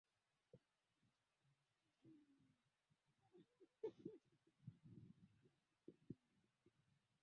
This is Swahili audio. Ni mikakati katika kuhakikisha wanatumia fukwe za bahari katika kuleta maendeleo